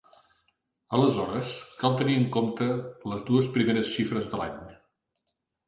Aleshores, cal tenir en compte les dues primeres xifres de l'any.